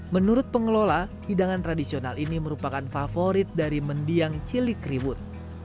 menurut pengelola hidangan tradisional ini merupakan favorit dari mendiang cilikriwut